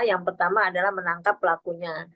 yang pertama adalah menangkap pelakunya